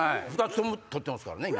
２つとも取ってますからね